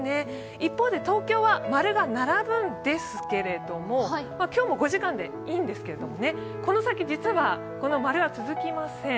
一方で東京は○が並ぶんですけれども、今日も５時間でいいんですけれどもこの先実は○は続きません。